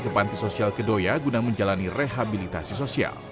ke panti sosial kedoya guna menjalani rehabilitasi sosial